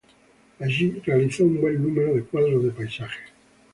Allí realizó un buen número de cuadros de paisajes.